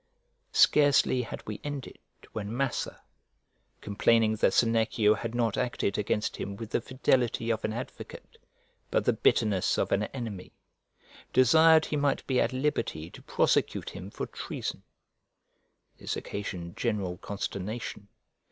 Scarcely had we ended when Massa, complaining that Senecio had not acted against him with the fidelity of an advocate, but the bitterness of an enemy, desired he might be at liberty to prosecute him for treason. This occasioned general consternation.